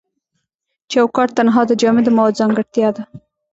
چوکات تنها د جامد موادو ځانګړتیا ده.